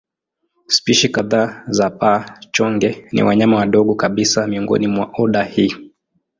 Spishi kadhaa za paa-chonge ni wanyama wadogo kabisa miongoni mwa oda hii.